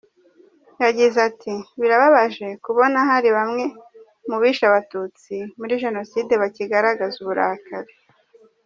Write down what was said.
Yagize ati “Birababaje kubona hari bamwe mu bishe Abatutsi muri Jenoside bakigaragaza uburakari.